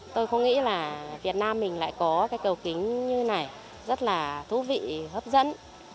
tôi không nghĩ là việt nam mình lại có cây cầu kính như này rất là thú vị hấp dẫn